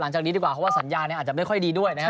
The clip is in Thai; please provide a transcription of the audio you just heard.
จากนี้ดีกว่าเพราะว่าสัญญาเนี่ยอาจจะไม่ค่อยดีด้วยนะครับ